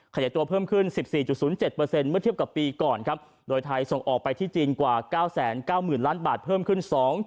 ขยายตัวเพิ่มขึ้น๑๔๐๗เมื่อเทียบกับปีก่อนครับโดยไทยส่งออกไปที่จีนกว่า๙๙๐๐ล้านบาทเพิ่มขึ้น